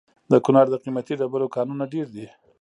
د کونړ د قیمتي ډبرو کانونه ډیر دي.